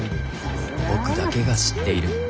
僕だけが知っている。